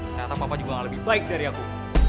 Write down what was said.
ternyata papa juga gak lebih baik dari aku